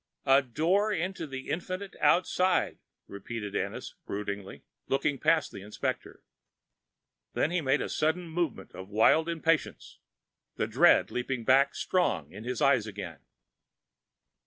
"A door into the infinite outside," repeated Ennis broodingly, looking past the inspector. Then he made a sudden movement of wild impatience, the dread leaping back strong in his eyes again.